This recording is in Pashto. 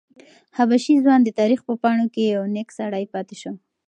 حبشي ځوان د تاریخ په پاڼو کې یو نېک سړی پاتې شو.